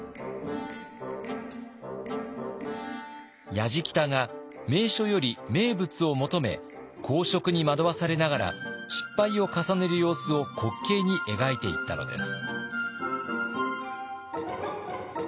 やじきたが名所より名物を求め好色に惑わされながら失敗を重ねる様子を滑稽に描いていったのです。